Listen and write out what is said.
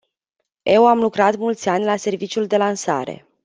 Eu am lucrat mulți ani la serviciul de lansare.